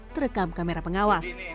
terekam kamera pengawas